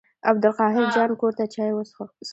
عبدالقاهر جان کور ته چای څښلو.